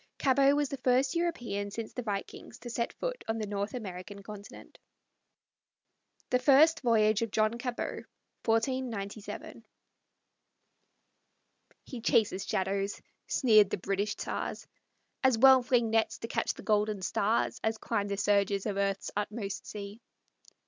Cabot was the first European since the vikings to set foot on the North American continent. THE FIRST VOYAGE OF JOHN CABOT "He chases shadows," sneered the British tars. "As well fling nets to catch the golden stars As climb the surges of earth's utmost sea."